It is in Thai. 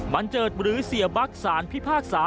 เจิดหรือเสียบัคสารพิพากษา